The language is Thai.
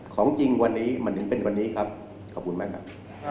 ของจริงวันนี้มันถึงเป็นวันนี้ครับขอบคุณมากครับ